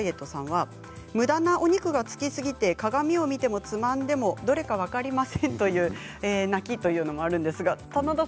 むだなお肉がつきすぎて鏡を見ても、つまんでもどれか分かりません、という泣きマークが入っています。